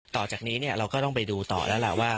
ต่อจากนี้เราก็ต้องไปดูต่อแล้วล่ะว่า